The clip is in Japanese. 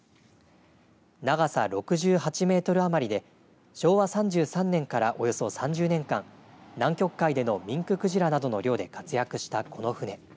長さ６８メートル余りで昭和３３年から、およそ３０年間南極海でのミンククジラなどの漁で活躍したこの船